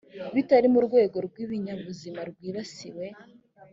bitari mu rwego rw ibinyabuzima byibasiwe